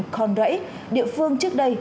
con rẫy địa phương trước đây